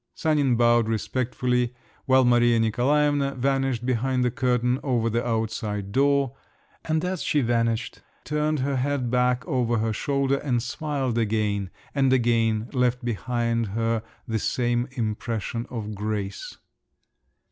Sanin bowed respectfully, while Maria Nikolaevna vanished behind the curtain over the outside door; and as she vanished turned her head back over her shoulder, and smiled again, and again left behind her the same impression of grace.